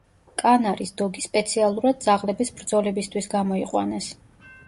კანარის დოგი სპეციალურად ძაღლების ბრძოლებისთვის გამოიყვანეს.